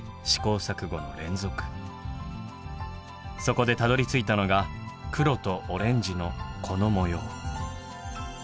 そこでたどりついたのが黒とオレンジのこの模様。